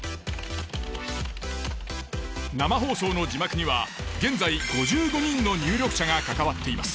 生放送の字幕には現在５５人の入力者が関わっています。